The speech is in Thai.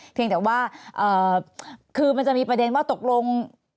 เพียงแต่ว่าคือมันจะมีประเด็นว่าตกลง